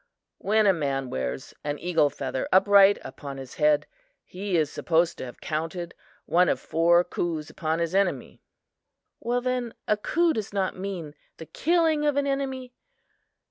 When a man wears an eagle feather upright upon his head, he is supposed to have counted one of four coups upon his enemy." "Well, then, a coup does not mean the killing of an enemy?"